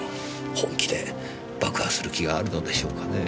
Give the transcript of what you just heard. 本気で爆破する気があるのでしょうかねぇ。